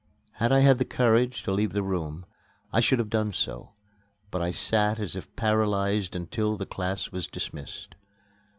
Had I had the courage to leave the room, I should have done so; but I sat as if paralyzed until the class was dismissed.